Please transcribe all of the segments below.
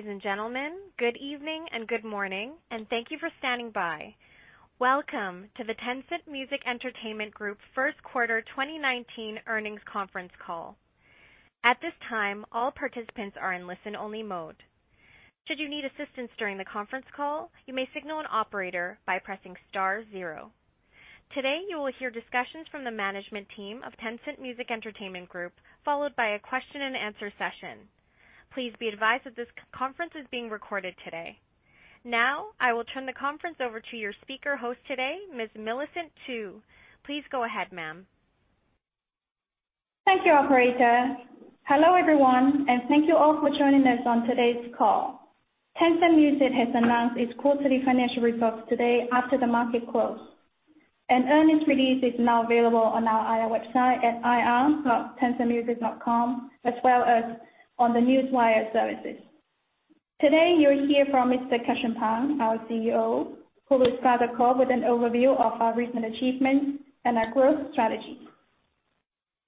Ladies and gentlemen, good evening and good morning. Thank you for standing by. Welcome to the Tencent Music Entertainment Group first quarter 2019 earnings conference call. At this time, all participants are in listen-only mode. Should you need assistance during the conference call, you may signal an operator by pressing star zero. Today, you will hear discussions from the management team of Tencent Music Entertainment Group, followed by a question and answer session. Please be advised that this conference is being recorded today. Now, I will turn the conference over to your speaker host today, Ms. Millicent Tu. Please go ahead, ma'am. Thank you, operator. Hello, everyone. Thank you all for joining us on today's call. Tencent Music has announced its quarterly financial results today after the market close. An earnings release is now available on our IR website at ir.tencentmusic.com, as well as on the Newswire services. Today, you will hear from Mr. Cussion Pang, our CEO, who will start the call with an overview of our recent achievements and our growth strategy.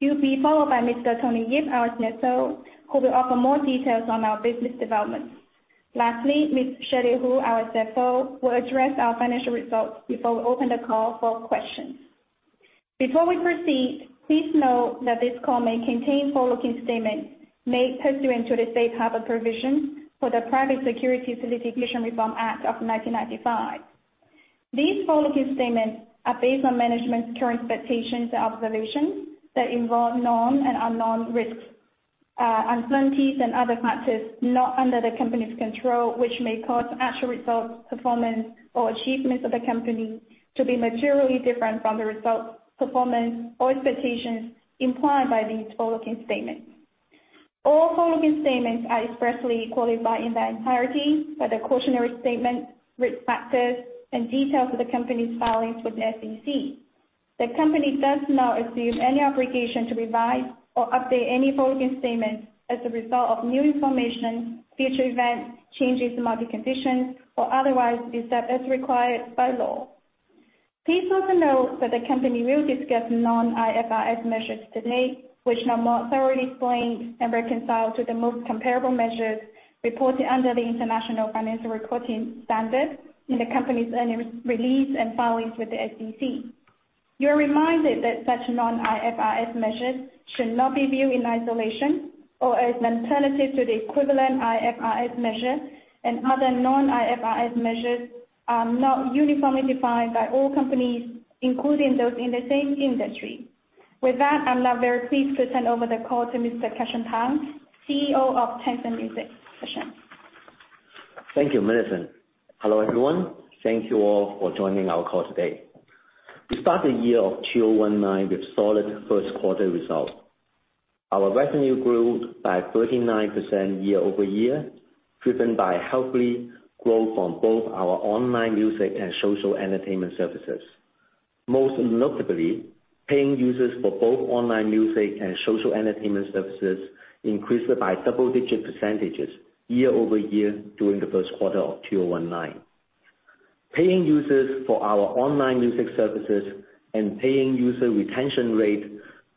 He will be followed by Mr. Tony Yip, our CFO, who will offer more details on our business development. Lastly, Ms. Shirley Hu, our CFO, will address our financial results before we open the call for questions. Before we proceed, please note that this call may contain forward-looking statements made pursuant to the safe harbor provisions for the Private Securities Litigation Reform Act of 1995. These forward-looking statements are based on management's current expectations and observations that involve known and unknown risks, uncertainties, and other factors not under the company's control, which may cause actual results, performance, or achievements of the company to be materially different from the results, performance, or expectations implied by these forward-looking statements. All forward-looking statements are expressly qualified in their entirety by the cautionary statement, risk factors, and details of the company's filings with the SEC. The company does not assume any obligation to revise or update any forward-looking statements as a result of new information, future events, changes in market conditions, or otherwise, except as required by law. Please also note that the company will discuss non-IFRS measures today, which are more thoroughly explained and reconciled to the most comparable measures reported under the International Financial Reporting Standards in the company's earnings release and filings with the SEC. You are reminded that such non-IFRS measures should not be viewed in isolation or as an alternative to the equivalent IFRS measure. Other non-IFRS measures are not uniformly defined by all companies, including those in the same industry. With that, I'm now very pleased to turn over the call to Mr. Cussion Pang, CEO of Tencent Music. Cussion. Thank you, Millicent. Hello, everyone. Thank you all for joining our call today. We start the year of 2019 with solid first quarter results. Our revenue grew by 39% year-over-year, driven by healthy growth on both our online music and social entertainment services. Most notably, paying users for both online music and social entertainment services increased by double-digit percentages year-over-year during the first quarter of 2019. Paying users for our online music services and paying user retention rate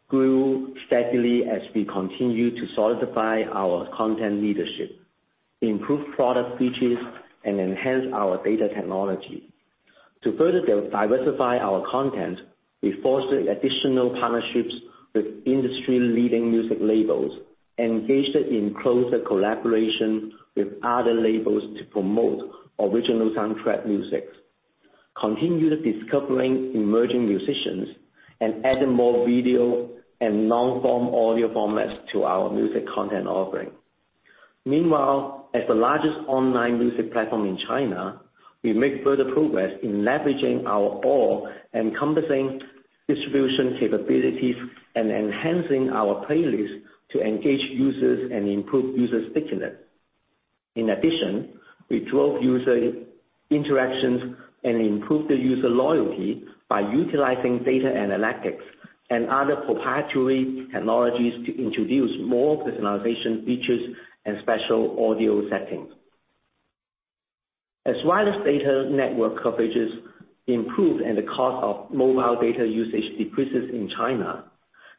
grew steadily as we continue to solidify our content leadership, improve product features, and enhance our data technology. To further diversify our content, we fostered additional partnerships with industry-leading music labels, engaged in closer collaboration with other labels to promote original soundtrack music, continued discovering emerging musicians, and added more video and long-form audio formats to our music content offering. Meanwhile, as the largest online music platform in China, we make further progress in leveraging our all-encompassing distribution capabilities and enhancing our playlist to engage users and improve user stickiness. In addition, we drove user interactions and improved the user loyalty by utilizing data analytics and other proprietary technologies to introduce more personalization features and special audio settings. As wireless data network coverages improve and the cost of mobile data usage decreases in China,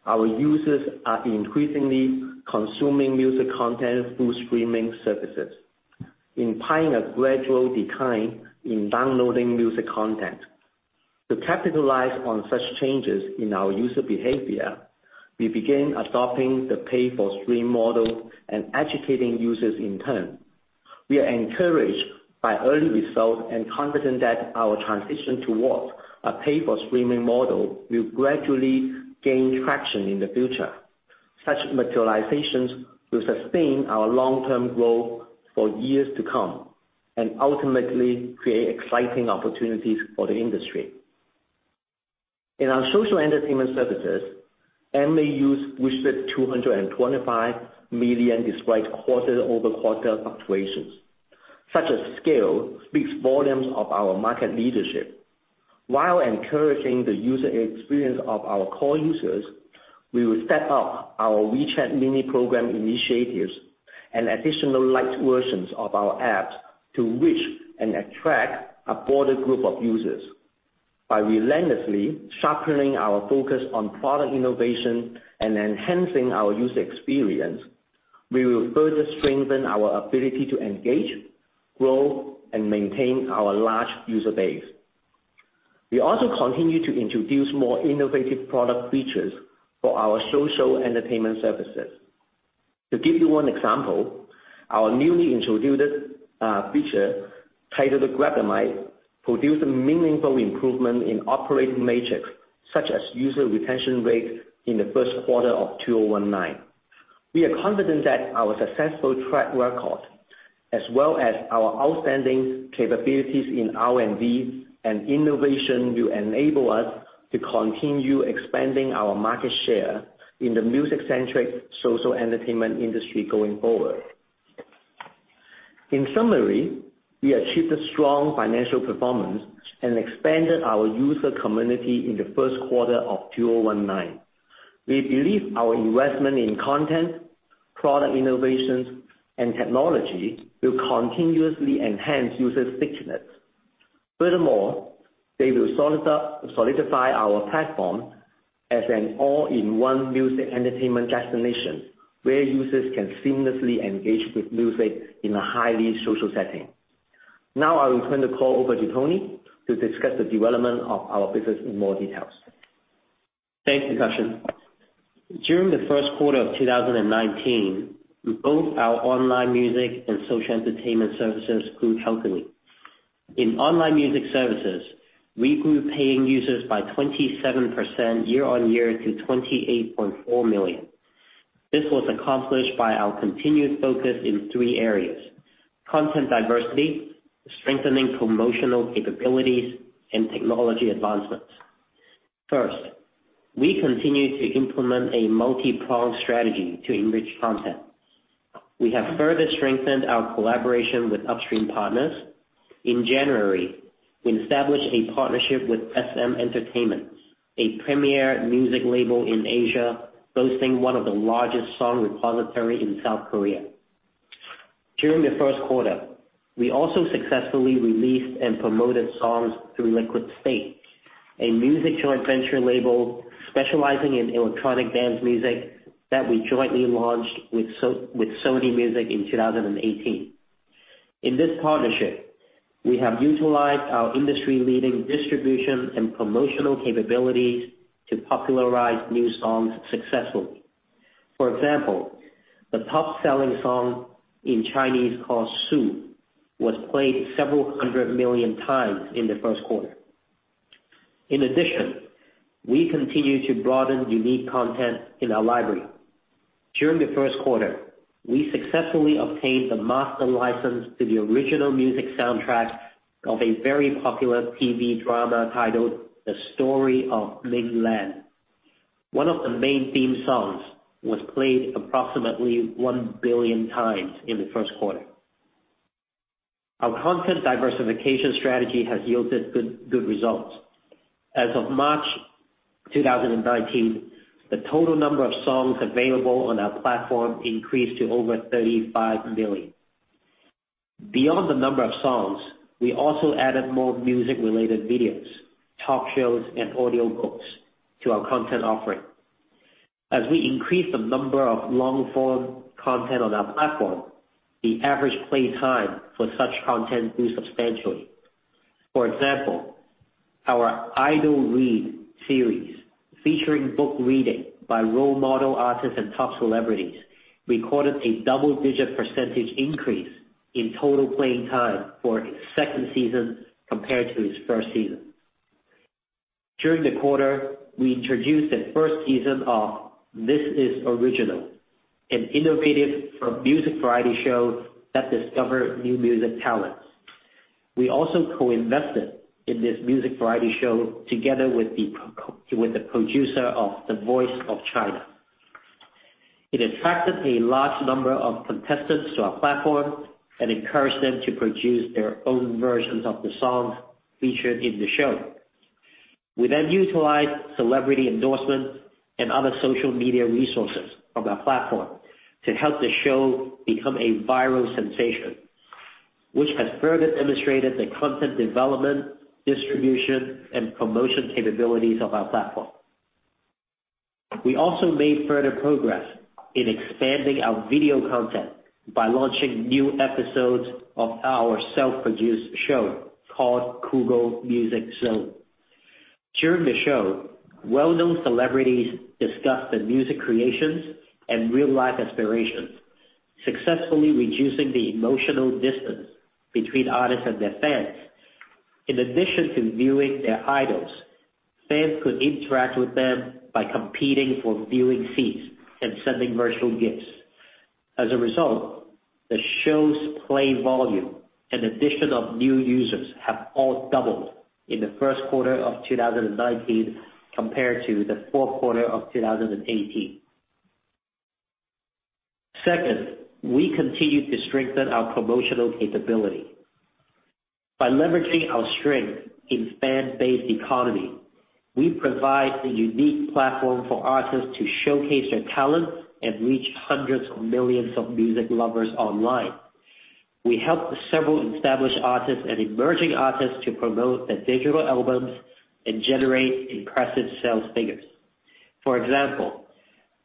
our users are increasingly consuming music content through streaming services, implying a gradual decline in downloading music content. To capitalize on such changes in our user behavior, we began adopting the pay-per-stream model and educating users in turn. We are encouraged by early results and confident that our transition towards a pay-per-stream model will gradually gain traction in the future. Such materializations will sustain our long-term growth for years to come and ultimately create exciting opportunities for the industry. In our social entertainment services, MAUs reached 225 million despite quarter-over-quarter fluctuations. Such a scale speaks volumes of our market leadership. While encouraging the user experience of our core users, we will set up our WeChat Mini Program initiatives and additional light versions of our apps to reach and attract a broader group of users. By relentlessly sharpening our focus on product innovation and enhancing our user experience, we will further strengthen our ability to engage, grow, and maintain our large user base. We also continue to introduce more innovative product features for our social entertainment services. To give you one example, our newly introduced feature, titled Grab A Mic, produced a meaningful improvement in operating metrics, such as user retention rate in the first quarter of 2019. We are confident that our successful track record, as well as our outstanding capabilities in R&D and innovation, will enable us to continue expanding our market share in the music-centric social entertainment industry going forward. In summary, we achieved a strong financial performance and expanded our user community in the first quarter of 2019. We believe our investment in content, product innovations, and technology will continuously enhance user stickiness. Furthermore, they will solidify our platform as an all-in-one music entertainment destination, where users can seamlessly engage with music in a highly social setting. Now, I will turn the call over to Tony to discuss the development of our business in more details. Thanks, Cussion. During the first quarter of 2019, both our online music and social entertainment services grew healthily. In online music services, we grew paying users by 27% year-on-year to 28.4 million. This was accomplished by our continued focus in three areas: content diversity, strengthening promotional capabilities, and technology advancements. First, we continue to implement a multi-pronged strategy to enrich content. We have further strengthened our collaboration with upstream partners. In January, we established a partnership with SM Entertainment, a premier music label in Asia, boasting one of the largest song repository in South Korea. During the first quarter, we also successfully released and promoted songs through Liquid State, a music joint venture label specializing in electronic dance music that we jointly launched with Sony Music in 2018. In this partnership, we have utilized our industry-leading distribution and promotional capabilities to popularize new songs successfully. For example, the top-selling song in Chinese, "Lù Sè", was played several hundred million times in the first quarter. In addition, we continue to broaden unique content in our library. During the first quarter, we successfully obtained the master license to the original music soundtrack of a very popular TV drama titled "The Story of Ming Lan." One of the main theme songs was played approximately 1 billion times in the first quarter. Our content diversification strategy has yielded good results. As of March 2019, the total number of songs available on our platform increased to over 35 million. Beyond the number of songs, we also added more music-related videos, talk shows, and audiobooks to our content offering. As we increase the number of long-form content on our platform, the average play time for such content grew substantially. For example, our Idol Read series, featuring book reading by role model artists and top celebrities, recorded a double-digit percentage increase in total playing time for its second season compared to its first season. During the quarter, we introduced the first season of This Is Original, an innovative music variety show that discovers new music talents. We also co-invested in this music variety show together with the producer of The Voice of China. It attracted a large number of contestants to our platform and encouraged them to produce their own versions of the songs featured in the show. We utilized celebrity endorsements and other social media resources from our platform to help the show become a viral sensation, which has further demonstrated the content development, distribution, and promotion capabilities of our platform. We also made further progress in expanding our video content by launching new episodes of our self-produced show called Kugou Music Zone. During the show, well-known celebrities discussed their music creations and real-life aspirations, successfully reducing the emotional distance between artists and their fans. In addition to viewing their idols, fans could interact with them by competing for viewing seats and sending virtual gifts. As a result, the show's play volume and addition of new users have all doubled in the first quarter of 2019 compared to the fourth quarter of 2018. Second, we continued to strengthen our promotional capability. By leveraging our strength in fan-based economy, we provide a unique platform for artists to showcase their talents and reach hundreds of millions of music lovers online. We help several established artists and emerging artists to promote their digital albums and generate impressive sales figures. For example,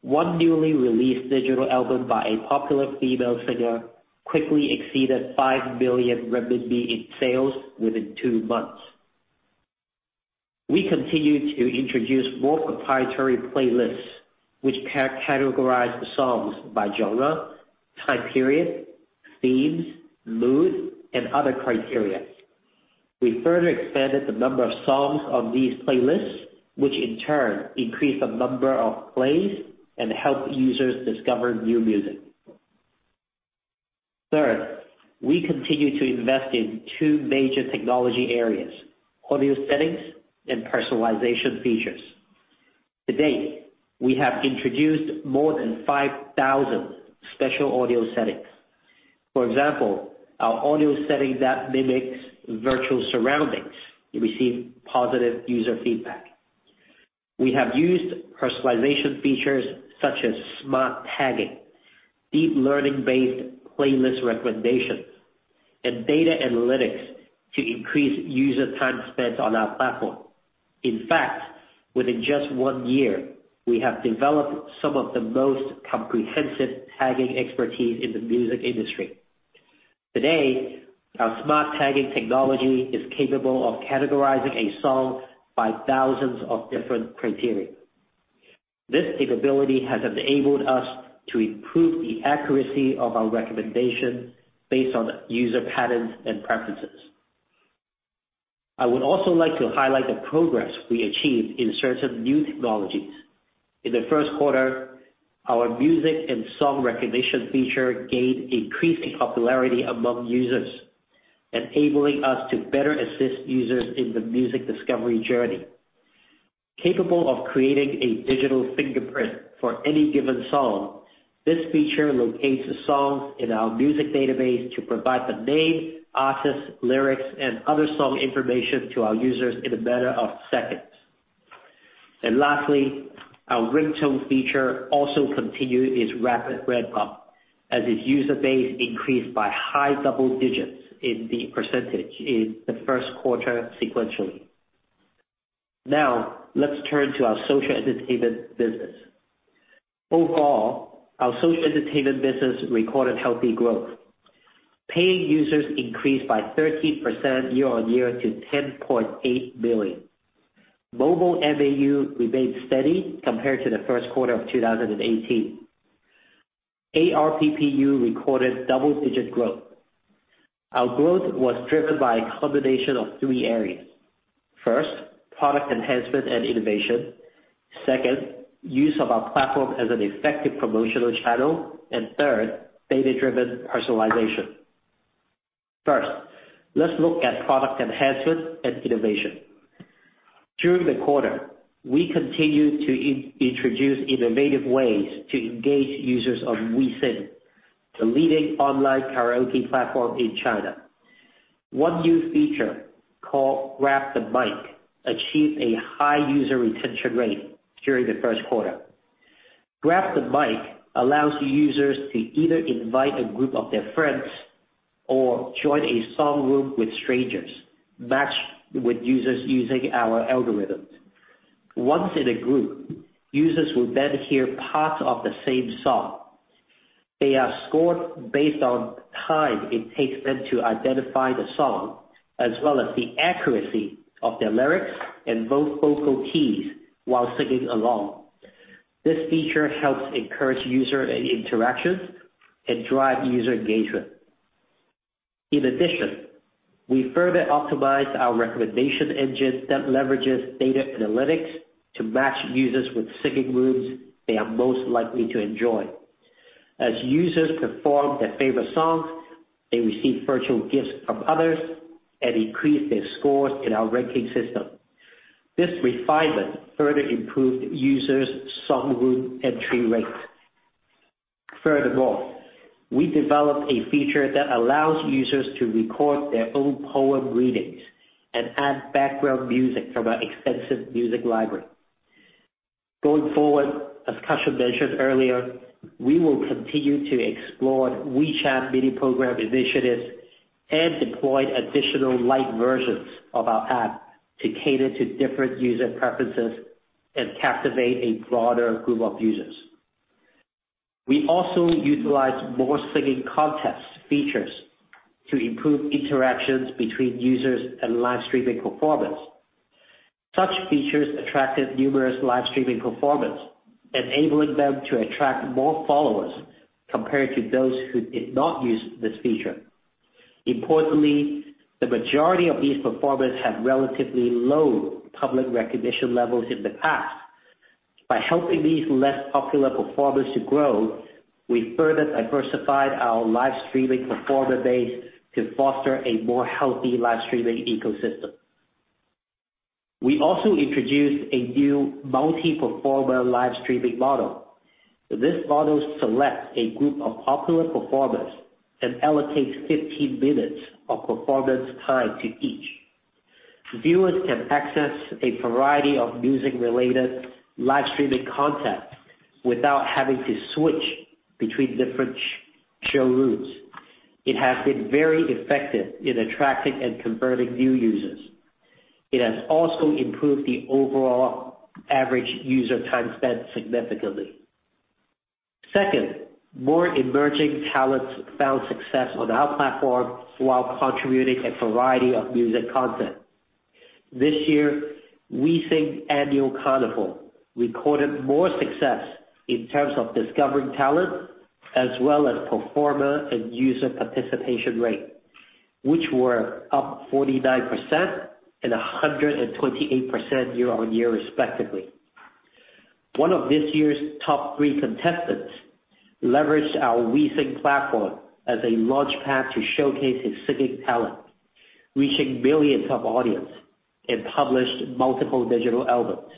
one newly released digital album by a popular female singer quickly exceeded 5 million RMB in sales within two months. We continue to introduce more proprietary playlists, which categorize the songs by genre, time period, themes, mood, and other criteria. We further expanded the number of songs on these playlists, which in turn increase the number of plays and help users discover new music. Third, we continue to invest in two major technology areas, audio settings and personalization features. To date, we have introduced more than 5,000 special audio settings. For example, our audio setting that mimics virtual surroundings, we receive positive user feedback. We have used personalization features such as smart tagging, deep learning-based playlist recommendations, and data analytics to increase user time spent on our platform. In fact, within just one year, we have developed some of the most comprehensive tagging expertise in the music industry. Today, our smart tagging technology is capable of categorizing a song by thousands of different criteria. This capability has enabled us to improve the accuracy of our recommendation based on user patterns and preferences. I would also like to highlight the progress we achieved in certain new technologies. In the first quarter, our music and song recognition feature gained increasing popularity among users, enabling us to better assist users in the music discovery journey. Capable of creating a digital fingerprint for any given song, this feature locates the songs in our music database to provide the name, artist, lyrics, and other song information to our users in a matter of seconds. Lastly, our ringtone feature also continued its rapid ramp-up, as its user base increased by high double digits in the percentage in the first quarter sequentially. Now, let's turn to our social entertainment business. Overall, our social entertainment business recorded healthy growth. Paying users increased by 13% year-over-year to 10.8 million. Mobile MAU remained steady compared to the first quarter of 2018. ARPPU recorded double-digit growth. Our growth was driven by a combination of three areas. First, product enhancement and innovation. Second, use of our platform as an effective promotional channel. Third, data-driven personalization. First, let's look at product enhancement and innovation. During the quarter, we continued to introduce innovative ways to engage users on WeSing, the leading online karaoke platform in China. One new feature called Grab the Mic achieved a high user retention rate during the first quarter. Grab the Mic allows users to either invite a group of their friends or join a song room with strangers matched with users using our algorithms. Once in a group, users will then hear parts of the same song. They are scored based on time it takes them to identify the song, as well as the accuracy of their lyrics and vocal keys while singing along. This feature helps encourage user interactions and drive user engagement. In addition, we further optimized our recommendation engine that leverages data analytics to match users with singing rooms they are most likely to enjoy. As users perform their favorite songs, they receive virtual gifts from others and increase their scores in our ranking system. This refinement further improved users' song room entry rates. Furthermore, we developed a feature that allows users to record their own poem readings and add background music from our extensive music library. Going forward, as Cussion mentioned earlier, we will continue to explore WeChat Mini Program initiatives and deploy additional lite versions of our app to cater to different user preferences and captivate a broader group of users. We also utilized more singing contest features to improve interactions between users and live streaming performers. Such features attracted numerous live streaming performers, enabling them to attract more followers compared to those who did not use this feature. Importantly, the majority of these performers have relatively low public recognition levels in the past. By helping these less popular performers to grow, we further diversified our live streaming performer base to foster a more healthy live streaming ecosystem. We also introduced a new multi-performer live streaming model. This model selects a group of popular performers and allocates 15 minutes of performance time to each. Viewers can access a variety of music-related live streaming content without having to switch between different showrooms. It has been very effective in attracting and converting new users. It has also improved the overall average user time spent significantly. Second, more emerging talents found success on our platform while contributing a variety of music content. This year, WeSing Annual Carnival recorded more success in terms of discovering talent as well as performer and user participation rate, which were up 49% and 128% year-on-year respectively. One of this year's top three contestants leveraged our WeSing platform as a launch pad to showcase his singing talent, reaching billions of audience and published multiple digital albums.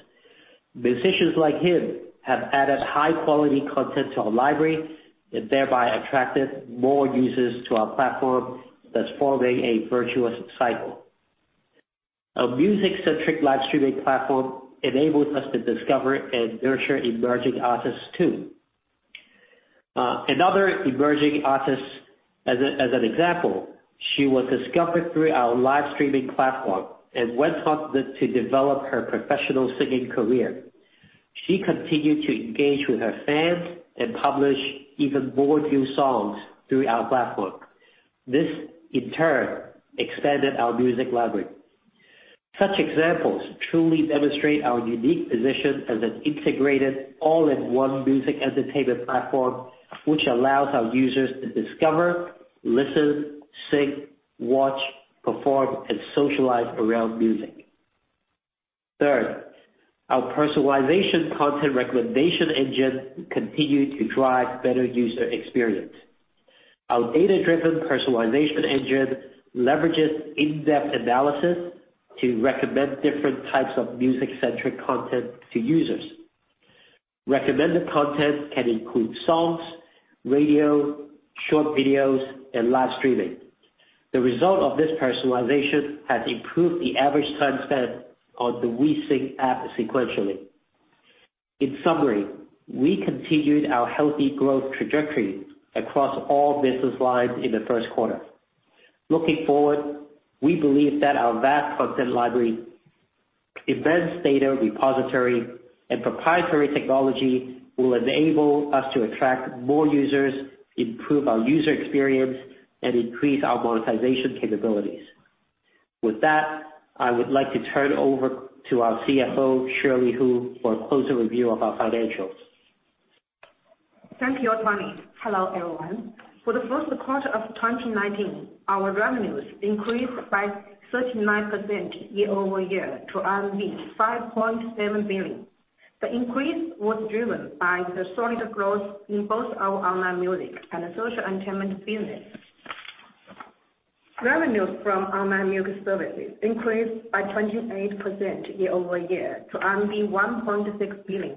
Musicians like him have added high-quality content to our library and thereby attracted more users to our platform thus forming a virtuous cycle. Our music-centric live streaming platform enables us to discover and nurture emerging artists too. Another emerging artist, as an example, she was discovered through our live streaming platform and went on to develop her professional singing career. She continued to engage with her fans and publish even more new songs through our platform. This, in turn, expanded our music library. Such examples truly demonstrate our unique position as an integrated all-in-one music entertainment platform, which allows our users to discover, listen, sing, watch, perform, and socialize around music. Third, our personalization content recommendation engine continued to drive better user experience. Our data-driven personalization engine leverages in-depth analysis to recommend different types of music-centric content to users. Recommended content can include songs, radio, short videos, and live streaming. The result of this personalization has improved the average time spent on the WeSing app sequentially. In summary, we continued our healthy growth trajectory across all business lines in the first quarter. Looking forward, we believe that our vast content library, advanced data repository, and proprietary technology will enable us to attract more users, improve our user experience, and increase our monetization capabilities. With that, I would like to turn over to our CFO, Shirley Hu, for a closer review of our financials. Thank you, Tony. Hello, everyone. For the first quarter of 2019, our revenues increased by 39% year-over-year to RMB 5.7 billion. The increase was driven by the solid growth in both our online music and social entertainment business. Revenues from online music services increased by 28% year-over-year to 1.6 billion.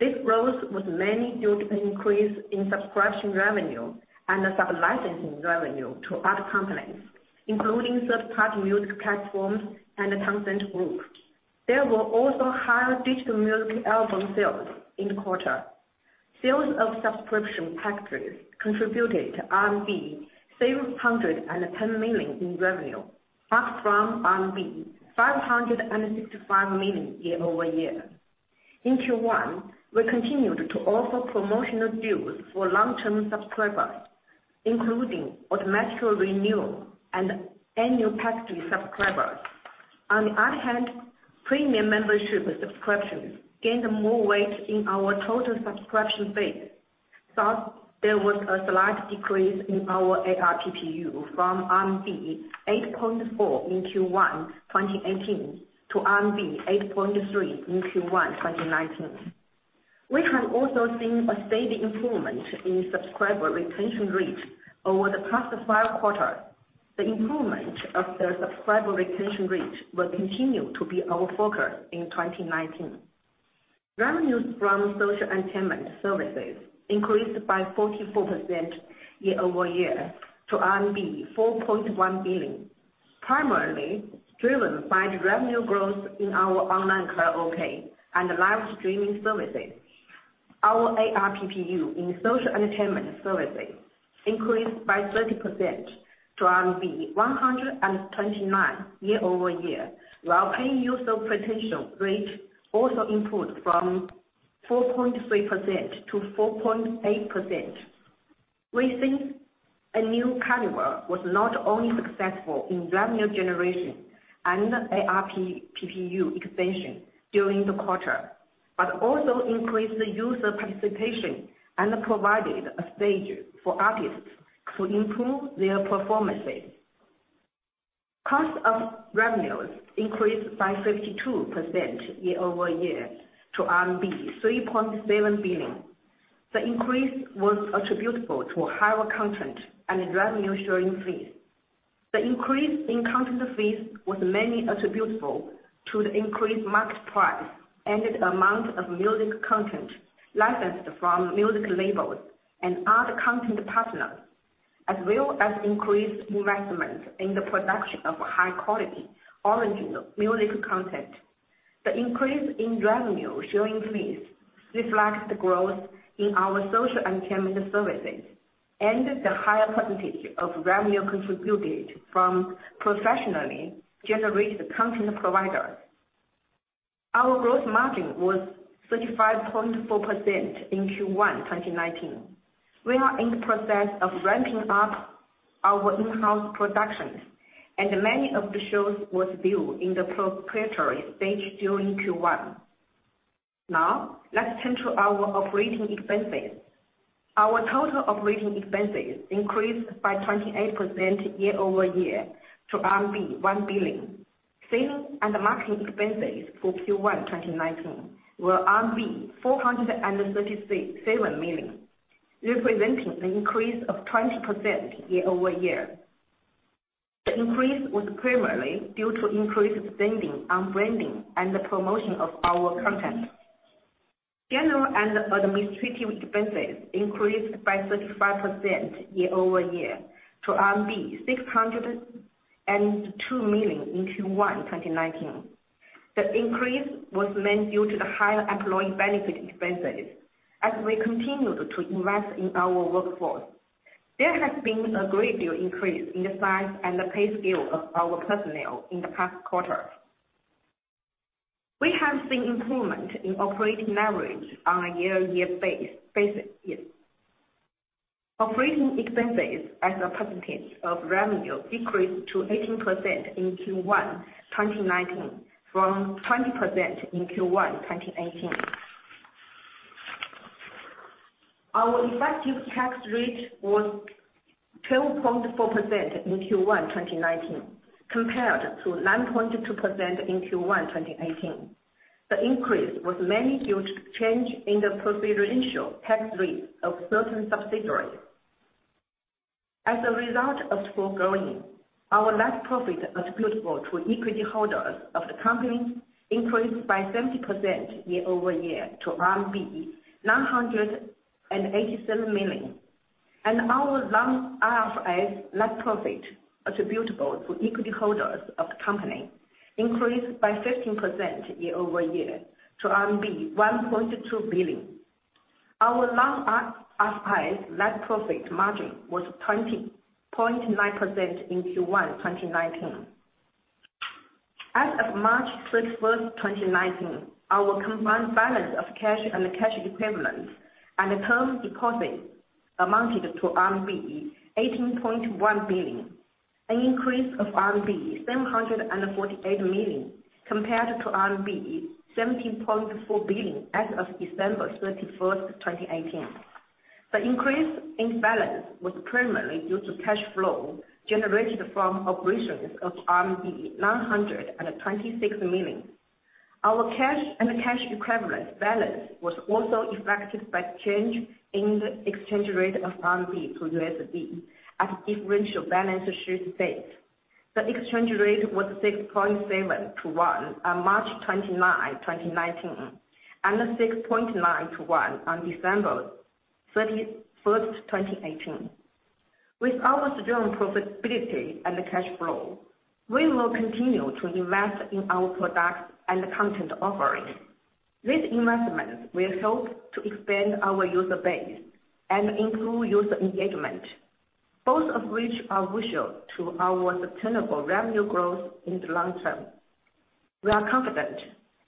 This growth was mainly due to the increase in subscription revenue and the sub-licensing revenue to other companies, including third-party music platforms and the Tencent Group. There were also higher digital music album sales in the quarter. Sales of subscription packages contributed to RMB 710 million in revenue, up from RMB 565 million year-over-year. In Q1, we continued to offer promotional deals for long-term subscribers, including automatic renewal and annual package subscribers. On the other hand, premium membership subscriptions gained more weight in our total subscription base. Thus, there was a slight decrease in our ARPU from RMB 8.4 in Q1 2018 to RMB 8.3 in Q1 2019. We have also seen a steady improvement in subscriber retention rate over the past five quarters. The improvement of the subscriber retention rate will continue to be our focus in 2019. Revenues from social entertainment services increased by 44% year-over-year to RMB 4.1 billion, primarily driven by the revenue growth in our online karaoke and live streaming services. Our ARPPU in social entertainment services increased by 30% to RMB 129 year-over-year, while paying user penetration rate also improved from 4.3% to 4.8%. WeSing Annual Carnival was not only successful in revenue generation and ARPPU expansion during the quarter, but also increased the user participation and provided a stage for artists to improve their performances. Cost of revenues increased by 52% year-over-year to RMB 3.7 billion. The increase was attributable to higher content and revenue sharing fees. The increase in content fees was mainly attributable to the increased market price and the amount of music content licensed from music labels and other content partners, as well as increased investment in the production of high-quality original music content. The increase in revenue sharing fees reflects the growth in our social entertainment services and the higher percentage of revenue contributed from professionally generated content providers. Our gross margin was 35.4% in Q1 2019. We are in the process of ramping up our in-house productions, and many of the shows were still in the preparatory stage during Q1. Now, let's turn to our operating expenses. Our total operating expenses increased by 28% year-over-year to RMB 1 billion. Sales and marketing expenses for Q1 2019 were RMB 437 million, representing an increase of 20% year-over-year. The increase was primarily due to increased spending on branding and the promotion of our content. General and administrative expenses increased by 35% year-over-year to RMB 602 million in Q1 2019. The increase was mainly due to the higher employee benefit expenses, as we continued to invest in our workforce. There has been a great deal increase in the size and the pay scale of our personnel in the past quarter. We have seen improvement in operating leverage on a year-over-year basis. Operating expenses as a percentage of revenue decreased to 18% in Q1 2019 from 20% in Q1 2018. Our effective tax rate was 12.4% in Q1 2019 compared to 9.2% in Q1 2018. The increase was mainly due to change in the proportional tax rate of certain subsidiaries. As a result of foregoing, our net profit attributable to equity holders of the company increased by 30% year-over-year to RMB 987 million. Our non-IFRS net profit attributable to equity holders of the company increased by 15% year-over-year to RMB 1.2 billion. Our non-IFRS net profit margin was 20.9% in Q1 2019. As of March 31st, 2019, our combined balance of cash and cash equivalents and term deposits amounted to RMB 18.1 billion, an increase of RMB 748 million compared to RMB 17.4 billion as of December 31st, 2018. The increase in balance was primarily due to cash flow generated from operations of RMB 926 million. Our cash and cash equivalent balance was also affected by change in the exchange rate of RMB to USD at a differential balance sheet base. The exchange rate was 6.7 to 1 on March 29, 2019, and 6.9 to 1 on December 31st, 2018. With our strong profitability and cash flow, we will continue to invest in our products and content offerings. These investments will help to expand our user base and improve user engagement, both of which are crucial to our sustainable revenue growth in the long term. We are confident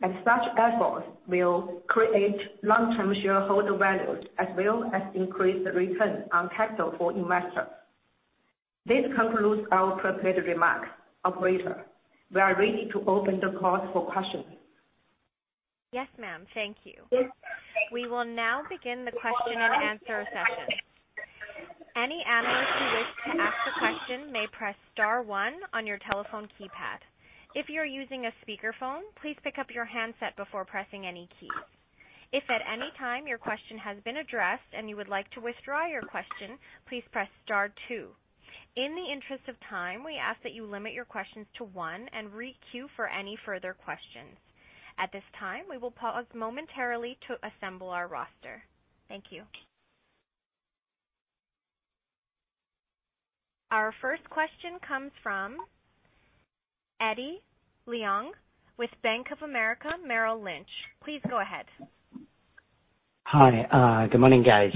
that such efforts will create long-term shareholder value as well as increase the return on capital for investors. This concludes our prepared remarks. Operator, we are ready to open the call for questions. Yes, ma'am. Thank you. Yes, ma'am. Thank you. We will now begin the question and answer session. Any analyst who wishes to ask a question may press star one on your telephone keypad. If you're using a speakerphone, please pick up your handset before pressing any keys. If at any time your question has been addressed and you would like to withdraw your question, please press star two. In the interest of time, we ask that you limit your questions to one and re-queue for any further questions. At this time, we will pause momentarily to assemble our roster. Thank you. Our first question comes from Eddie Leung with Bank of America, Merrill Lynch. Please go ahead. Hi. Good morning, guys.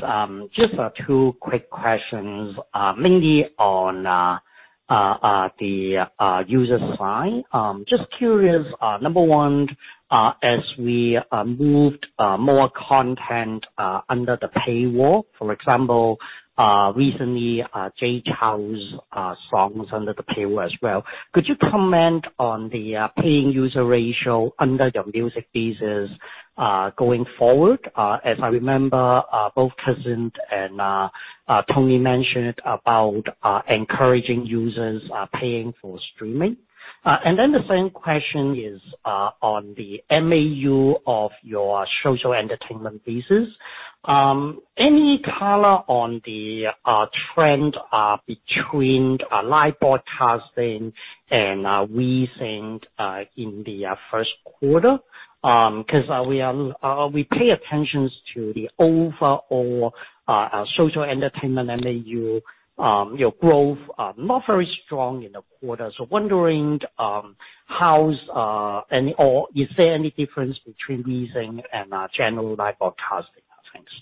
Just two quick questions. Mainly on the user side. Just curious, number 1, as we moved more content under the paywall, for example, recently, Jay Chou's songs under the paywall as well, could you comment on the paying user ratio under your music business, going forward? As I remember, both Tencent and Tony mentioned about encouraging users paying for streaming. The same question is on the MAU of your social entertainment business. Any color on the trend between live broadcasting and WeSing in the first quarter? Because we pay attention to the overall social entertainment MAU. Your growth not very strong in the quarter. Wondering is there any difference between WeSing and general live broadcasting? Thanks.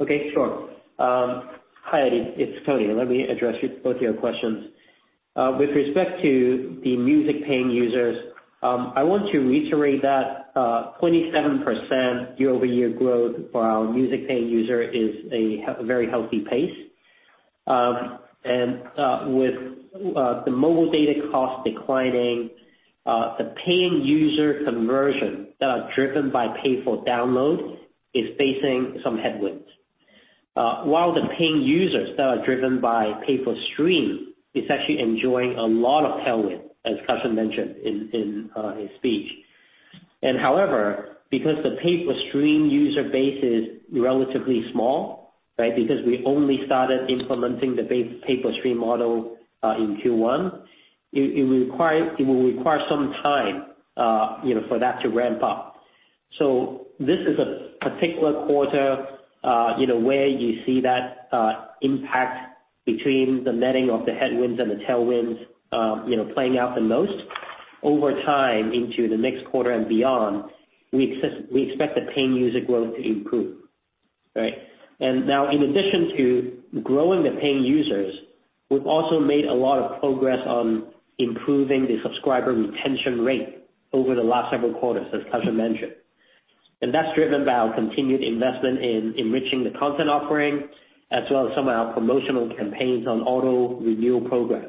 Okay, sure. Hi Eddie, it's Tony. Let me address both your questions. With respect to the music paying users, I want to reiterate that 27% year-over-year growth for our music paying user is a very healthy pace. With the mobile data cost declining, the paying user conversion that are driven by pay-per-download is facing some headwinds. While the paying users that are driven by pay-per-stream is actually enjoying a lot of tailwind, as Cussion mentioned in his speech. However, because the pay-per-stream user base is relatively small, because we only started implementing the pay-per-stream model in Q1, it will require some time for that to ramp up. This is a particular quarter where you see that impact between the netting of the headwinds and the tailwinds playing out the most. Over time into the next quarter and beyond, we expect the paying user growth to improve. Right. Now in addition to growing the paying users, we've also made a lot of progress on improving the subscriber retention rate over the last several quarters, as Cussion mentioned. That's driven by our continued investment in enriching the content offering, as well as some of our promotional campaigns on auto-renewal programs.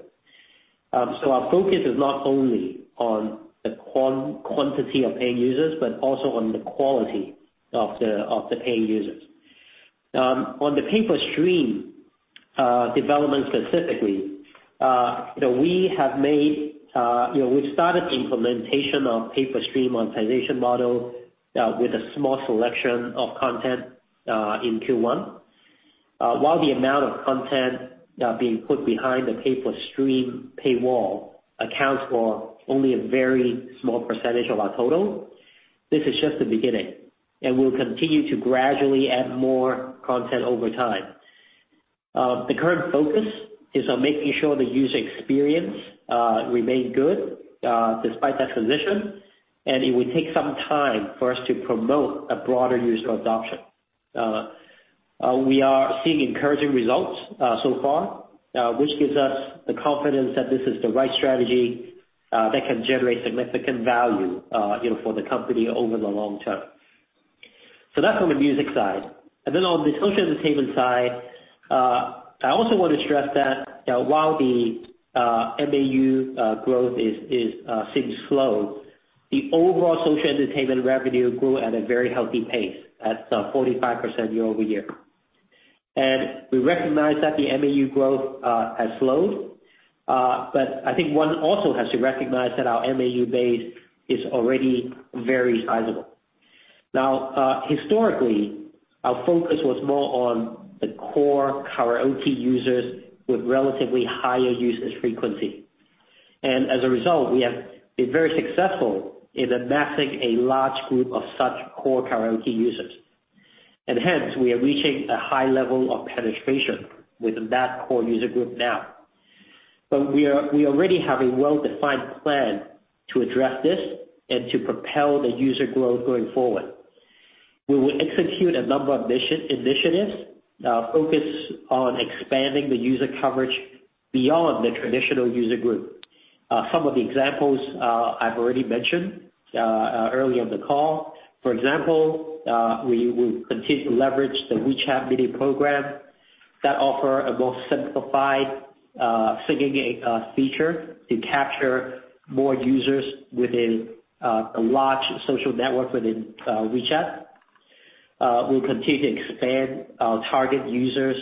Our focus is not only on the quantity of paying users, but also on the quality of the paying users. On the pay-per-stream development specifically, we've started the implementation of pay-per-stream monetization model with a small selection of content in Q1. While the amount of content that are being put behind the pay-per-stream paywall accounts for only a very small percentage of our total, this is just the beginning, and we'll continue to gradually add more content over time. The current focus is on making sure the user experience remain good despite that transition, and it will take some time for us to promote a broader user adoption. We are seeing encouraging results so far, which gives us the confidence that this is the right strategy that can generate significant value for the company over the long term. That's on the music side. On the social entertainment side, I also want to stress that while the MAU growth seems slow, the overall social entertainment revenue grew at a very healthy pace at 45% year-over-year. We recognize that the MAU growth has slowed, but I think one also has to recognize that our MAU base is already very sizable. Historically, our focus was more on the core karaoke users with relatively higher usage frequency. As a result, we have been very successful in amassing a large group of such core karaoke users. Hence, we are reaching a high level of penetration within that core user group now. We already have a well-defined plan to address this and to propel the user growth going forward. We will execute a number of initiatives focused on expanding the user coverage beyond the traditional user group. Some of the examples I've already mentioned earlier in the call. For example, we will continue to leverage the WeChat Mini Program that offer a more simplified singing feature to capture more users within a large social network within WeChat. We'll continue to expand our target users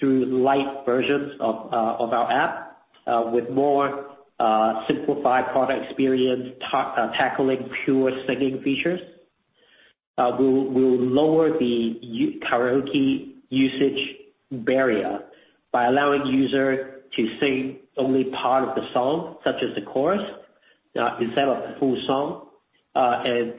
through lite versions of our app with more simplified product experience tackling pure singing features. We'll lower the karaoke usage barrier by allowing user to sing only part of the song, such as the chorus, instead of the full song.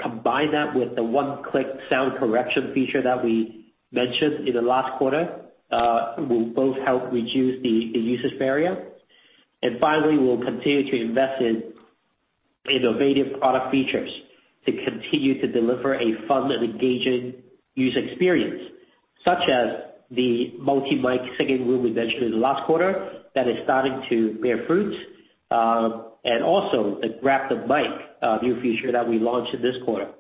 Combine that with the one-click sound correction feature that we mentioned in the last quarter will both help reduce the usage barrier. Finally, we'll continue to invest in innovative product features to continue to deliver a fun and engaging user experience, such as the multi-mic singing room we mentioned in the last quarter that is starting to bear fruit, and also the Grab the Mic new feature that we launched this quarter.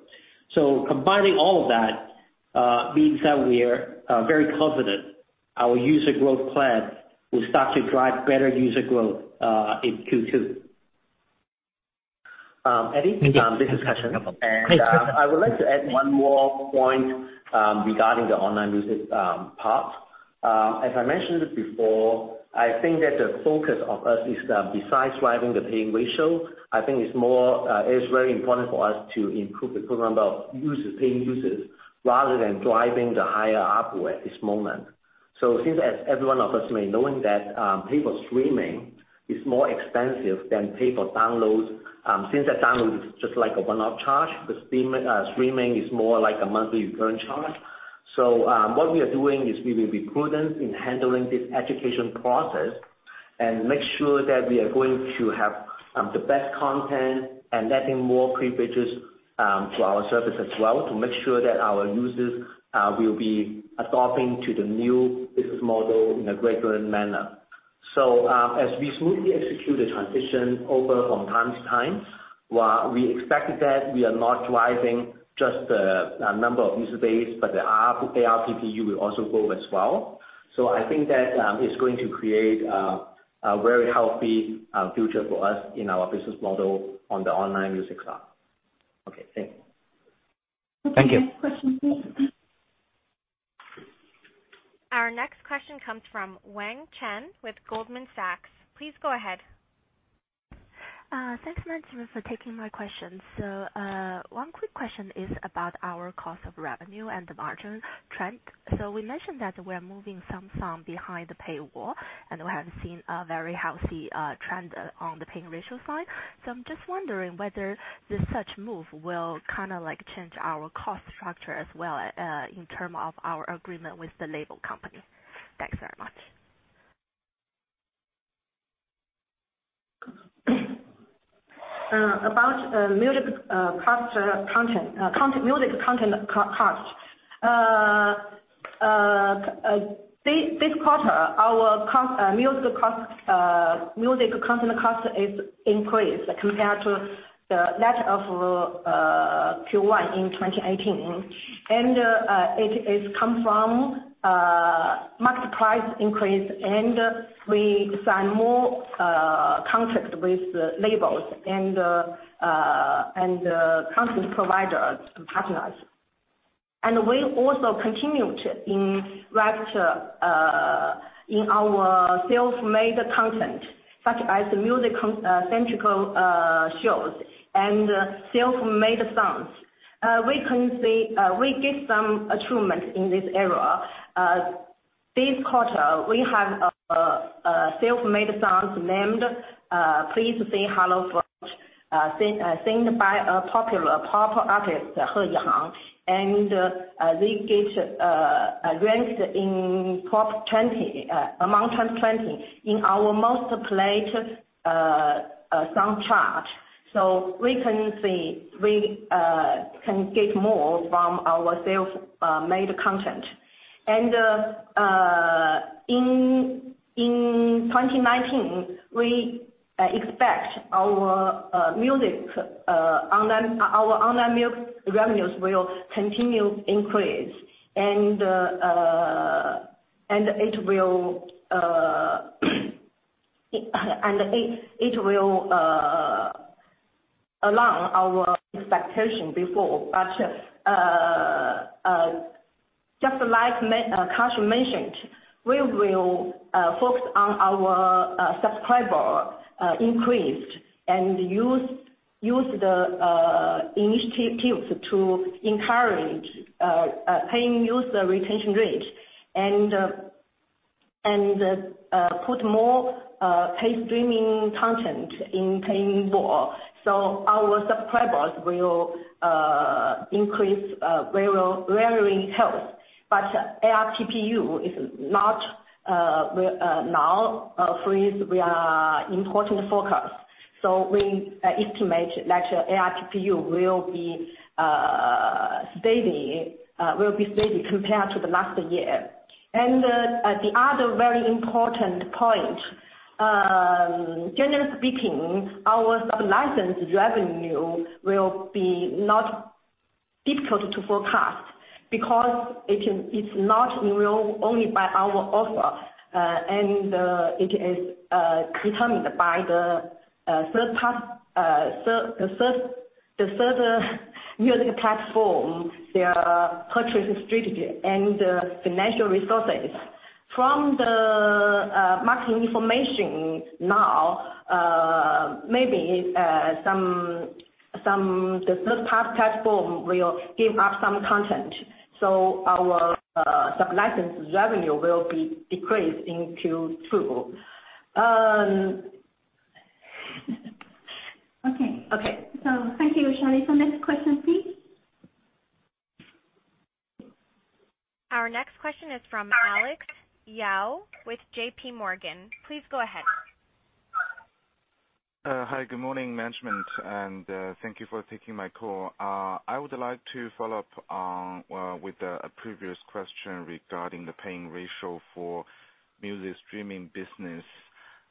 Combining all of that means that we are very confident our user growth plan will start to drive better user growth in Q2. Eddie? This is Kar Shun. I would like to add one more point regarding the online music part. As I mentioned before, I think that the focus of us is that besides driving the paying ratio, I think it is very important for us to improve the total number of paying users rather than driving the higher ARPU at this moment. Since, as every one of us may know, that paid for streaming is more expensive than paid for downloads, since a download is just like a one-off charge, the streaming is more like a monthly recurring charge. What we are doing is we will be prudent in handling this education process and make sure that we are going to have the best content and letting more free features to our service as well to make sure that our users will be adopting to the new business model in a greater manner. As we smoothly execute the transition over from time to time, while we expect that we are not driving just the number of user base, but the ARPU will also grow as well. I think that is going to create a very healthy future for us in our business model on the online music side. Okay, thanks. Thank you. Okay. Next question, please. Our next question comes from Wang Chen with Goldman Sachs. Please go ahead. Thanks management for taking my question. One quick question is about our cost of revenue and the margin trend. We mentioned that we are moving some song behind the paywall, and we have seen a very healthy trend on the paying ratio side. I'm just wondering whether the such move will change our cost structure as well in term of our agreement with the label company. Thanks very much. About music content cost. This quarter, our music content cost is increased compared to the latter of Q1 2018. It is come from market price increase and we sign more contract with labels and content providers to partner us. We also continue to invest in our self-made content, such as music-centric shows and self-made songs. We get some achievement in this area. This quarter, we have a self-made song named "Please Say Hello First," sung by a popular pop artist, He Yihang, and we get ranked among top 20 in our most played song chart. We can get more from our self-made content. In 2019, we expect our online music revenues will continue increase. It will along our expectation before. Just like Kar Shun mentioned, we will focus on our subscriber increased and use the initiatives to encourage paying user retention rate and put more paid streaming content in paywall. Our subscribers will increase very healthy. ARPU is not now for us important focus. We estimate that ARPU will be steady compared to the last year. The other very important point, generally speaking, our sub-license revenue will be not difficult to forecast because it's not only by our offer, and it is determined by the third party music platform, their purchasing strategy, and financial resources. From the marketing information now, maybe the third party platform will give up some content. Our sub-license revenue will be decreased in Q2. Okay. Okay. Thank you, Shirley. Next question, please. Our next question is from Alex Yao with JP Morgan. Please go ahead. Hi, good morning, management, thank you for taking my call. I would like to follow up with a previous question regarding the paying ratio for music streaming business.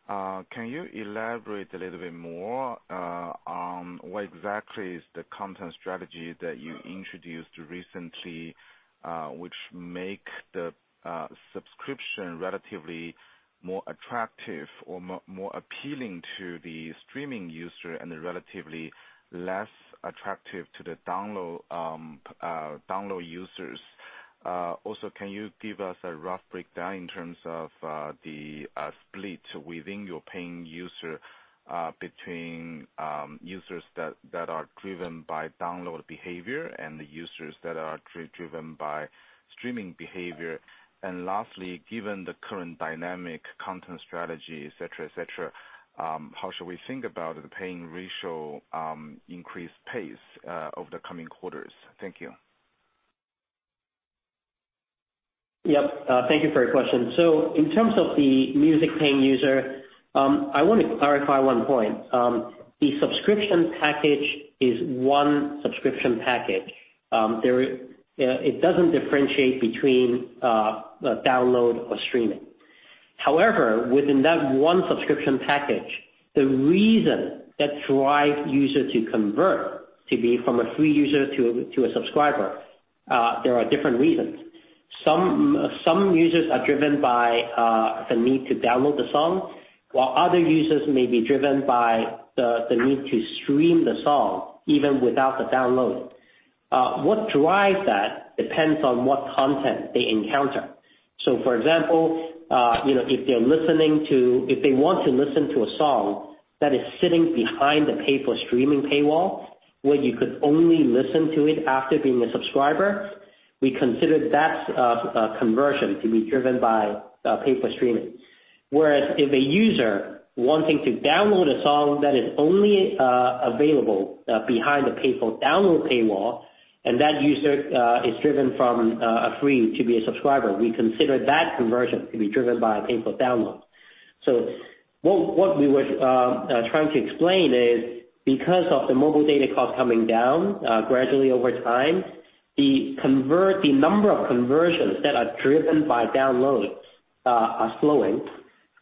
Can you elaborate a little bit more on what exactly is the content strategy that you introduced recently, which make the subscription relatively more attractive or more appealing to the streaming user and relatively less attractive to the download users? Also, can you give us a rough breakdown in terms of the split within your paying user between users that are driven by download behavior and the users that are driven by streaming behavior? Lastly, given the current dynamic content strategy, et cetera, how should we think about the paying ratio increase pace over the coming quarters? Thank you. Yep. Thank you for your question. In terms of the music paying user, I want to clarify one point. The subscription package is one subscription package. It doesn't differentiate between download or streaming. However, within that one subscription package, the reason that drives users to convert from a free user to a subscriber, there are different reasons. Some users are driven by the need to download the song, while other users may be driven by the need to stream the song, even without the download. What drives that depends on what content they encounter. For example, if they want to listen to a song that is sitting behind the pay for streaming paywall, where you could only listen to it after being a subscriber, we consider that conversion to be driven by pay for streaming. Whereas if a user wanting to download a song that is only available behind the pay-per-download paywall, and that user is driven from a free to be a subscriber, we consider that conversion to be driven by a pay-per-download. What we were trying to explain is because of the mobile data cost coming down gradually over time, the number of conversions that are driven by downloads are slowing.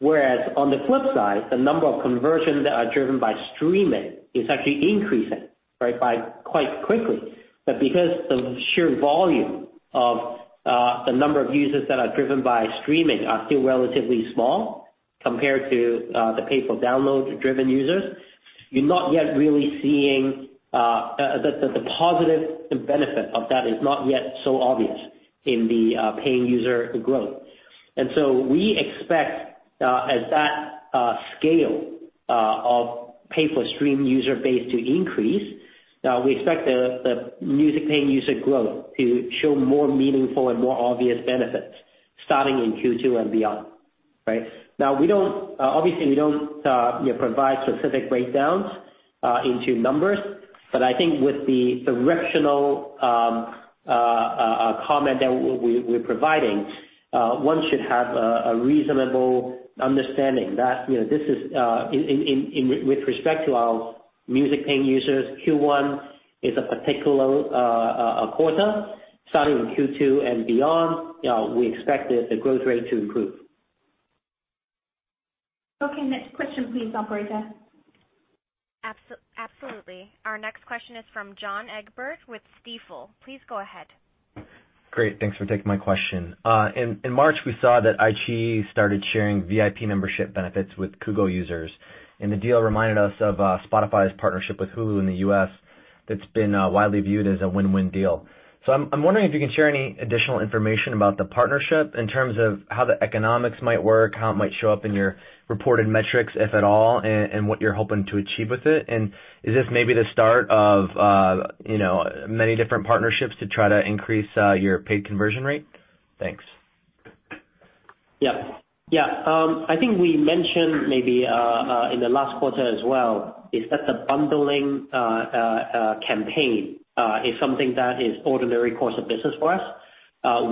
Whereas on the flip side, the number of conversions that are driven by streaming is actually increasing quite quickly. Because the sheer volume of the number of users that are driven by streaming are still relatively small compared to the pay-per-download-driven users, the positive benefit of that is not yet so obvious in the paying user growth. We expect as that scale of pay-per-stream user base to increase, we expect the music paying user growth to show more meaningful and more obvious benefits starting in Q2 and beyond. Right? Obviously we don't provide specific breakdowns into numbers, but I think with the directional comment that we're providing, one should have a reasonable understanding that with respect to our music paying users, Q1 is a particular quarter. Starting with Q2 and beyond, we expect the growth rate to improve. Okay. Next question please, operator. Absolutely. Our next question is from John Egbert with Stifel. Please go ahead. Great. Thanks for taking my question. In March, we saw that iQiyi started sharing VIP membership benefits with Kugou users. The deal reminded us of Spotify's partnership with Hulu in the U.S. that's been widely viewed as a win-win deal. I'm wondering if you can share any additional information about the partnership in terms of how the economics might work, how it might show up in your reported metrics, if at all, and what you're hoping to achieve with it. Is this maybe the start of many different partnerships to try to increase your paid conversion rate? Thanks. Yeah. I think we mentioned maybe in the last quarter as well, is that the bundling campaign is something that is ordinary course of business for us.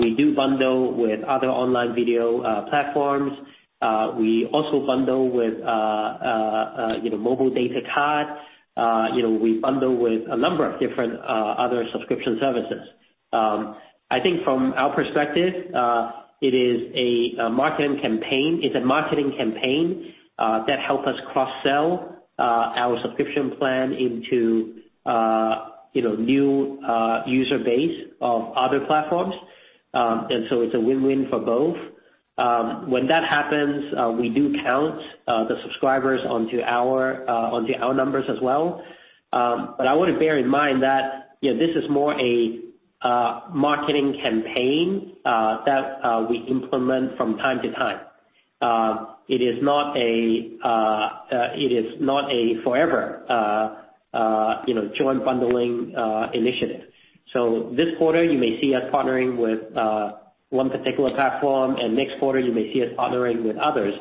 We do bundle with other online video platforms. We also bundle with mobile data card. We bundle with a number of different other subscription services. I think from our perspective, it is a marketing campaign that help us cross-sell our subscription plan into new user base of other platforms. It's a win-win for both. When that happens, we do count the subscribers onto our numbers as well. I want to bear in mind that this is more a marketing campaign that we implement from time to time. It is not a forever joint bundling initiative. This quarter you may see us partnering with one particular platform and next quarter you may see us partnering with others.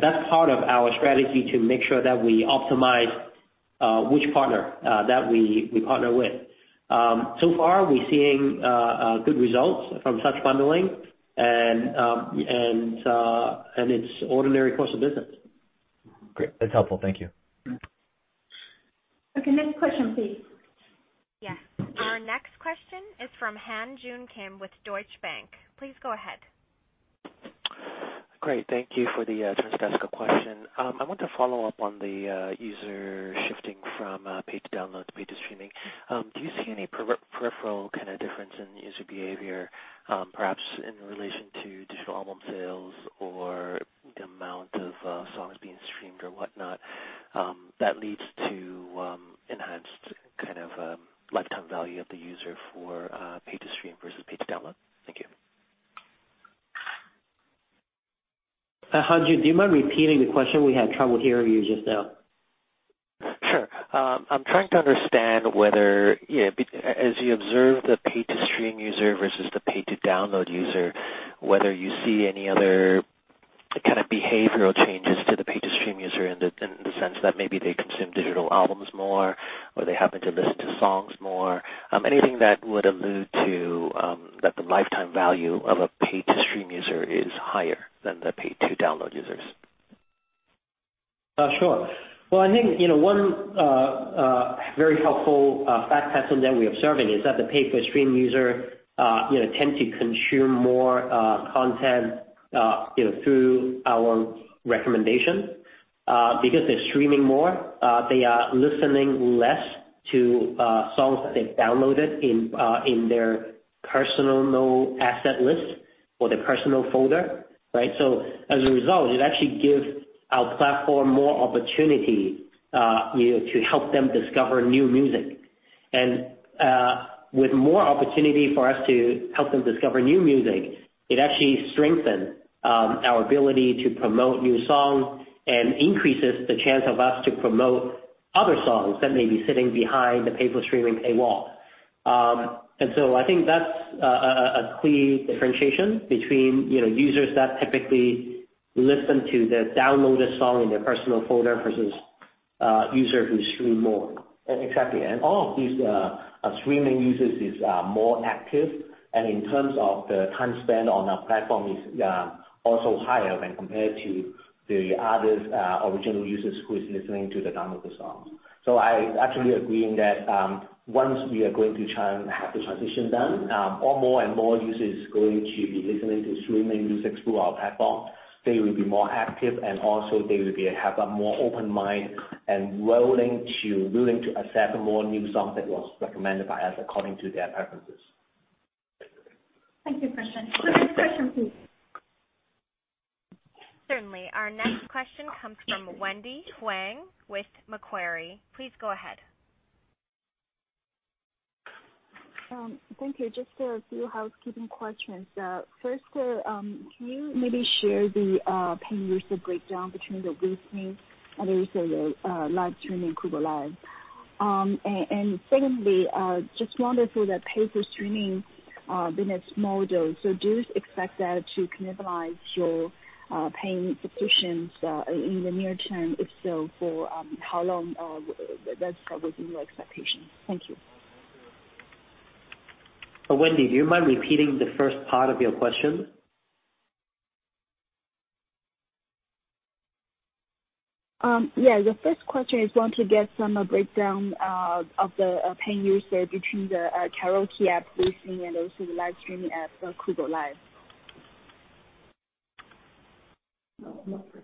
That's part of our strategy to make sure that we optimize which partner that we partner with. So far we're seeing good results from such bundling and it's ordinary course of business. Great. That's helpful. Thank you. Okay. Next question please. Yes. Our next question is from Han Joon Kim with Deutsche Bank. Please go ahead. Great. Thank you for the question. I want to follow up on the user shifting from pay-per-download to pay-per-stream. Do you see any peripheral kind of difference in user behavior, perhaps in relation to digital album sales or the amount of songs being streamed or whatnot that leads to enhanced kind of lifetime value of the user for pay-per-stream versus pay-per-download? Thank you. Han Joon, do you mind repeating the question? We had trouble hearing you just now. Sure. I'm trying to understand whether, as you observe the pay to stream user versus the pay to download user, whether you see any other kind of behavioral changes to the pay to stream user in the sense that maybe they consume digital albums more, or they happen to listen to songs more. Anything that would allude to that the lifetime value of a pay to stream user is higher than the pay to download users. Sure. Well, I think, one very helpful fact pattern that we're observing is that the pay for stream user tend to consume more content through our recommendation. They're streaming more, they are listening less to songs that they've downloaded in their personal asset list or their personal folder, right? As a result, it actually gives our platform more opportunity to help them discover new music. With more opportunity for us to help them discover new music, it actually strengthens our ability to promote new songs and increases the chance of us to promote other songs that may be sitting behind the pay for streaming paywall. I think that's a clear differentiation between users that typically listen to the downloaded song in their personal folder versus user who stream more. Exactly. All of these streaming users is more active and in terms of the time spent on our platform is also higher when compared to the others, original users who is listening to the downloaded songs. I actually agreeing that, once we are going to have the transition done, or more and more users going to be listening to streaming music through our platform, they will be more active and also they will have a more open mind and willing to accept more new songs that was recommended by us according to their preferences. Thank you, Cussion. Next question, please. Certainly. Our next question comes from Wendy Huang with Macquarie. Please go ahead. Thank you. Just a few housekeeping questions. First, can you maybe share the paying user breakdown between the listening and also the live streaming, Kugou Live? Secondly, just wondering for the pay for streaming business model, do you expect that to cannibalize your paying subscriptions in the near term? If so, for how long that's within your expectations. Thank you. Wendy, do you mind repeating the first part of your question? Yeah. The first question is, I want to get some breakdown of the paying user between the karaoke app listening and also the live streaming app, Kugou Live.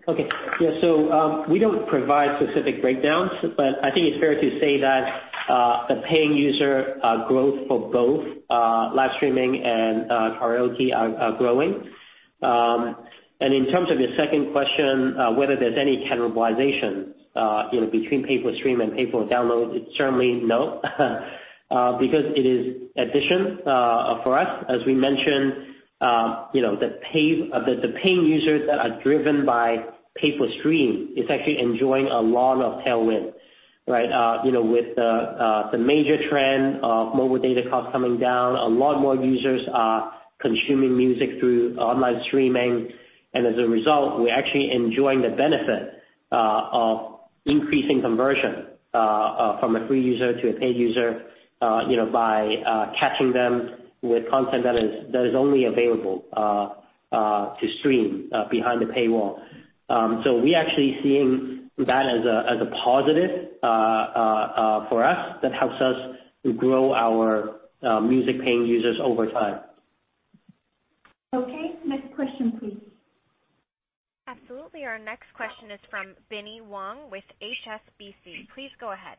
Okay. Yeah, we don't provide specific breakdowns, but I think it's fair to say that the paying user growth for both live streaming and karaoke are growing. In terms of your second question, whether there's any cannibalization between pay-per-stream and pay-per-download, it's certainly no because it is addition for us. As we mentioned, the paying users that are driven by pay-per-stream is actually enjoying a lot of tailwind, right? With the major trend of mobile data costs coming down, a lot more users are consuming music through online streaming. As a result, we're actually enjoying the benefit of increasing conversion from a free user to a paid user by catching them with content that is only available to stream behind the paywall. We actually seeing that as a positive for us that helps us grow our music paying users over time. Okay. Next question please. Absolutely. Our next question is from Binnie Wong with HSBC. Please go ahead.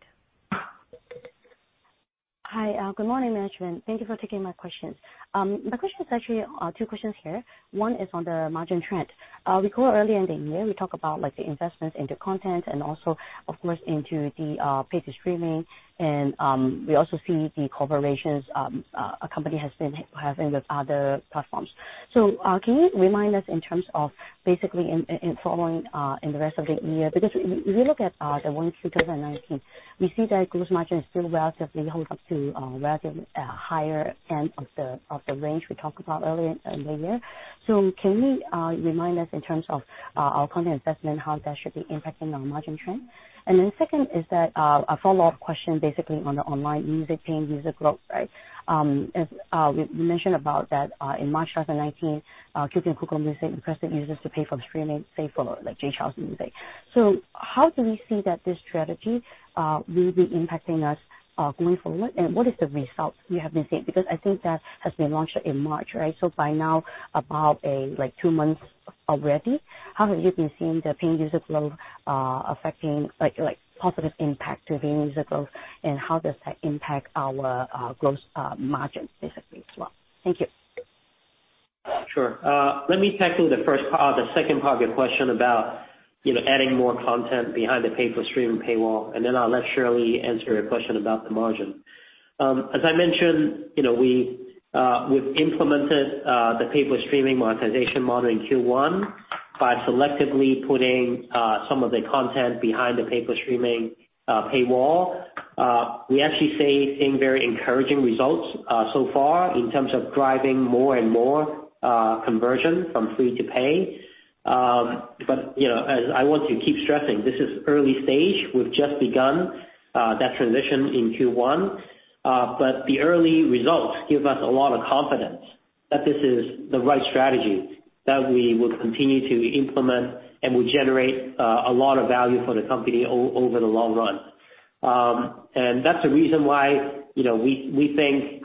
Hi, good morning management. Thank you for taking my questions. My question is actually two questions here. One is on the margin trend. We call early in the year, we talk about the investments into content and also, of course, into the pay to streaming. We also see the collaborations, company has been having with other platforms. Can you remind us in terms of basically in following, in the rest of the year? If we look at the Q1 2019, we see that gross margin is still relatively holds up to relatively higher end of the range we talked about earlier in the year. Can you remind us in terms of our content investment, how that should be impacting our margin trend? Second is that, a follow-up question, basically on the online music paying user growth, right? You mentioned about that in March 2019, QQ Music and Kugou Music impressed the users to pay for streaming, say for like Jay Chou's music. How do we see that this strategy will be impacting us, going forward? What is the results you have been seeing? I think that has been launched in March, right? By now, about two months already. How have you been seeing the paying user growth affecting positive impact to paying user growth, and how does that impact our gross margins basically as well? Thank you. Sure. Let me tackle the second part of your question about adding more content behind the pay-for-streaming paywall, and then I'll let Shirley answer a question about the margin. As I mentioned, we've implemented the pay-for-streaming monetization model in Q1 by selectively putting some of the content behind the pay-for-streaming paywall. We actually see very encouraging results so far in terms of driving more and more conversion from free to pay. I want to keep stressing, this is early stage. We've just begun that transition in Q1. The early results give us a lot of confidence that this is the right strategy that we will continue to implement and will generate a lot of value for the company over the long run. That's the reason why we think,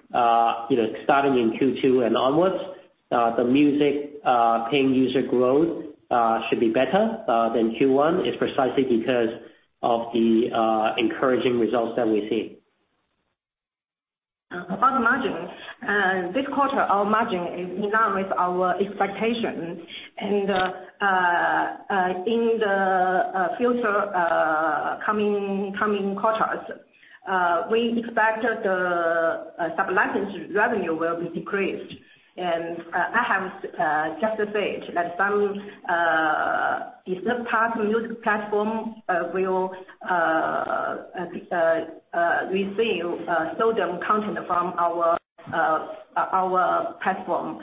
starting in Q2 and onwards, the music paying user growth should be better than Q1 is precisely because of the encouraging results that we see. About margin. This quarter, our margin is in line with our expectations. In the future coming quarters, we expect the sub-license revenue will be decreased. I have just said that some third-party music platforms will receive some content from our platform.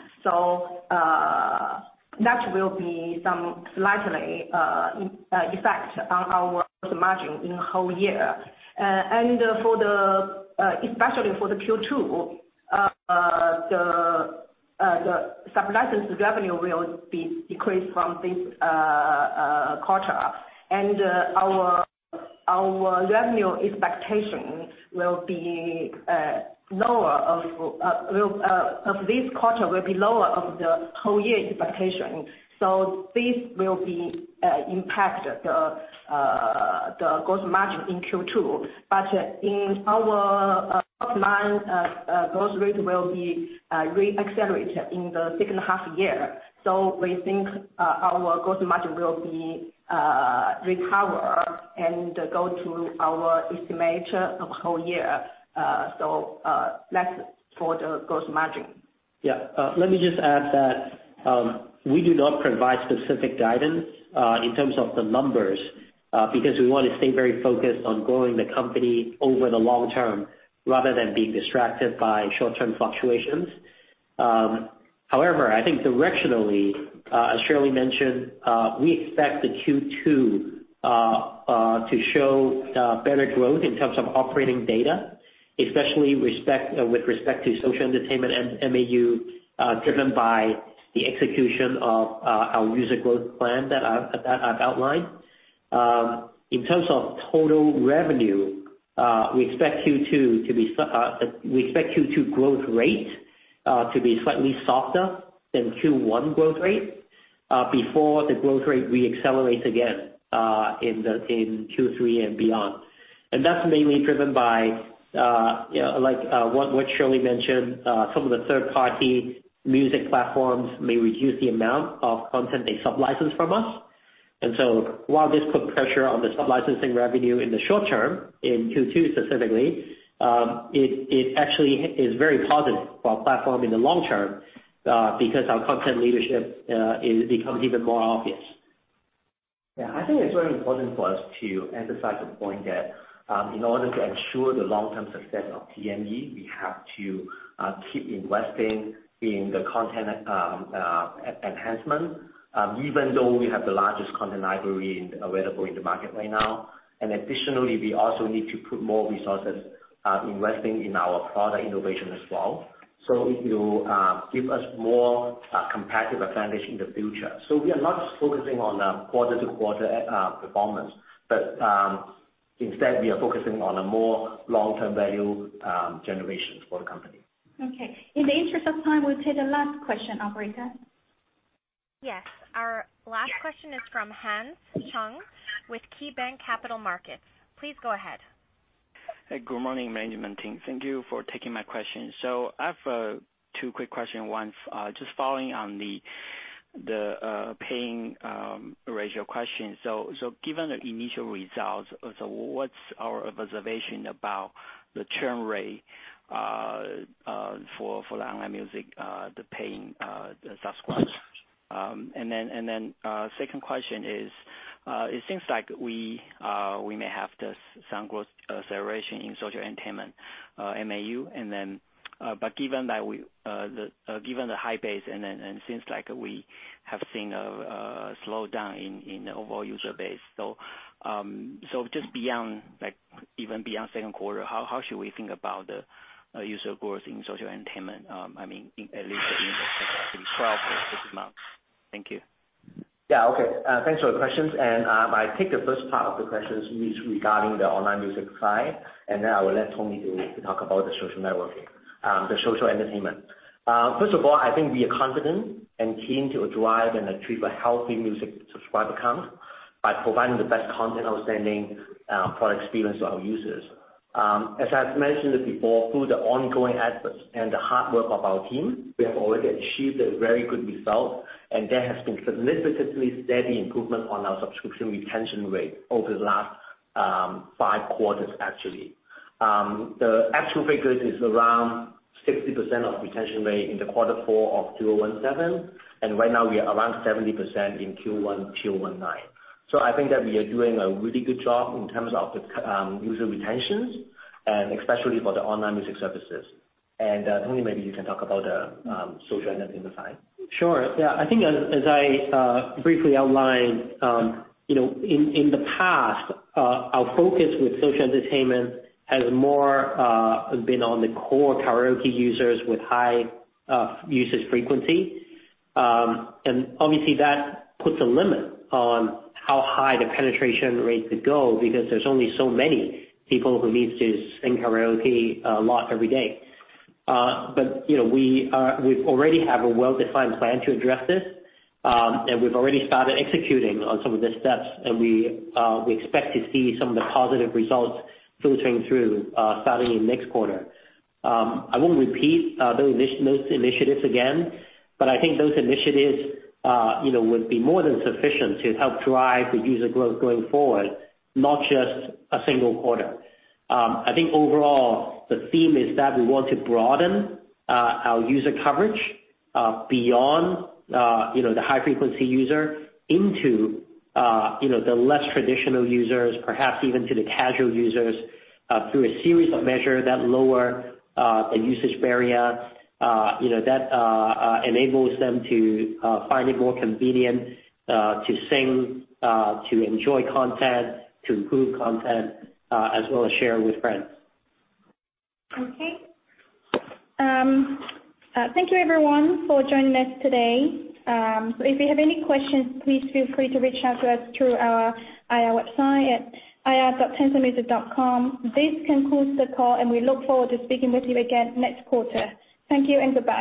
That will be some slight effect on our gross margin in the whole year. Especially for the Q2, the sub-license revenue will be decreased from this quarter. Our revenue expectation of this quarter will be lower of the whole year expectation. This will impact the gross margin in Q2. In our top line, gross rate will be re-accelerated in the second half year. We think our gross margin will recover and go to our estimate of whole year. That's for the gross margin. Yeah. Let me just add that we do not provide specific guidance in terms of the numbers, because we want to stay very focused on growing the company over the long term rather than being distracted by short-term fluctuations. However, I think directionally, as Shirley mentioned, we expect the Q2 to show better growth in terms of operating data, especially with respect to social entertainment and MAU, driven by the execution of our user growth plan that I've outlined. In terms of total revenue, we expect Q2 growth rate to be slightly softer than Q1 growth rate before the growth rate re-accelerates again in Q3 and beyond. That's mainly driven by what Shirley mentioned, some of the third-party music platforms may reduce the amount of content they sub-license from us. While this puts pressure on the sub-licensing revenue in the short term, in Q2 specifically, it actually is very positive for our platform in the long term, because our content leadership becomes even more obvious. Yeah, I think it's very important for us to emphasize the point that in order to ensure the long-term success of TME, we have to keep investing in the content enhancement, even though we have the largest content library available in the market right now. Additionally, we also need to put more resources investing in our product innovation as well. It will give us more competitive advantage in the future. We are not focusing on quarter-to-quarter performance. Instead, we are focusing on a more long-term value generation for the company. Okay. In the interest of time, we'll take the last question, operator. Yes. Our last question is from Hans Chung with KeyBanc Capital Markets. Please go ahead. Hey, good morning, management team. Thank you for taking my question. I have 2 quick questions. One, just following on the paying ratio question. Given the initial results, what's our observation about the churn rate for online music, the paying subscribers? Second question is, it seems like we may have this sound growth acceleration in social entertainment MAU. Given the high base, and since we have seen a slowdown in the overall user base. Just even beyond second quarter, how should we think about the user growth in social entertainment? At least in the next 12 or 15 months. Thank you. Yeah. Okay. Thanks for the questions. I take the first part of the questions regarding the online music side, then I will let Tony talk about the social networking, the social entertainment. First of all, I think we are confident and keen to drive and achieve a healthy music subscriber count by providing the best content outstanding product experience to our users. As I have mentioned before, through the ongoing efforts and the hard work of our team, we have already achieved a very good result. There has been significantly steady improvement on our subscription retention rate over the last 5 quarters, actually. The actual figure is around 60% of retention rate in the quarter 4 of 2017, Right now we are around 70% in Q1 2019. I think that we are doing a really good job in terms of the user retentions and especially for the online music services. Tony, maybe you can talk about the social entertainment side. Sure. Yeah. I think as I briefly outlined, in the past, our focus with social entertainment has more been on the core karaoke users with high usage frequency. Obviously that puts a limit on how high the penetration rate could go, because there's only so many people who needs to sing karaoke a lot every day. We already have a well-defined plan to address this, and we've already started executing on some of the steps, and we expect to see some of the positive results filtering through starting in next quarter. I won't repeat those initiatives again, I think those initiatives would be more than sufficient to help drive the user growth going forward, not just a single quarter. I think overall, the theme is that we want to broaden our user coverage beyond the high-frequency user into the less traditional users, perhaps even to the casual users, through a series of measures that lower the usage barrier that enables them to find it more convenient to sing, to enjoy content, to improve content, as well as share with friends. Okay. Thank you everyone for joining us today. If you have any questions, please feel free to reach out to us through our IR website at ir.tencentmusic.com. This concludes the call, and we look forward to speaking with you again next quarter. Thank you, and bye-bye.